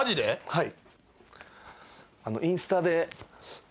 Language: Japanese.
はい。